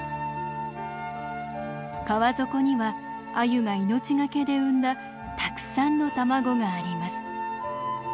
川底にはアユが命懸けで産んだたくさんの卵があります。